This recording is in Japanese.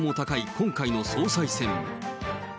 今回の総裁選。